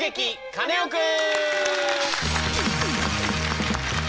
カネオくん」。